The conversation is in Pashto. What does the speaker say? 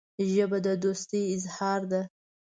ژبه د دوستۍ اظهار ده